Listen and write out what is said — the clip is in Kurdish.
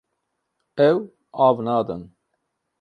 Ew av nadin.